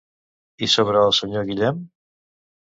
I sobre el senyor Guillem?